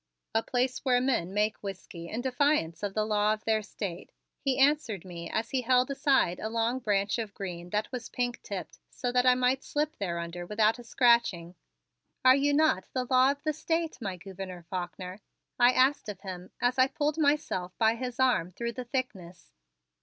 "A place where men make whiskey in defiance of the law of their State," he answered me as he held aside a long branch of green that was pink tipped, so that I might slip thereunder without a scratching. "Are you not the law of the State, my Gouverneur Faulkner?" I asked of him as I pulled myself by his arm through the thickness.